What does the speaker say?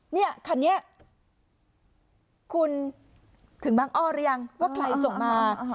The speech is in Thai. เนี่ยคันนี้คุณถึงบางอ้อหรือยังว่าใครส่งมา